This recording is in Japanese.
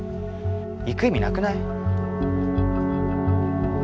行く意味なくない？